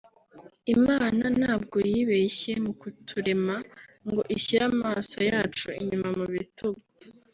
Imana ntabwo yibeshye mu kuturema ngo ishyire amaso yacu inyuma mu bitugu